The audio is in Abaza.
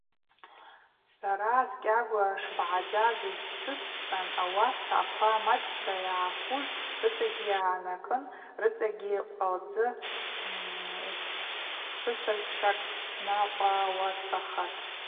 Сара скӏьагва шбагӏдзаз йсшвысцӏатӏ, ауаса аква мачӏта йгӏаквуз рыцӏагьи йгӏанакӏын, рыцӏагьи кӏвалдзы сышвазшва сныкъвауачвахатӏ.